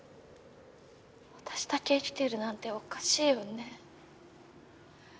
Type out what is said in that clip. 私だけ生きてるなんておかしいよね。